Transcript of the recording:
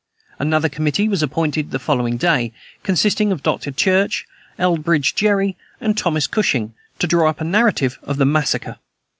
Another committee was appointed the following day, consisting of Dr. Church, Elbridge Gerry, and Thomas Cushing, to draw up a narrative of the massacre.